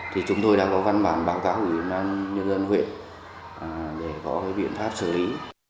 thì chúng tôi đã có văn bản báo cáo của huyện nari để có cái biện pháp xử lý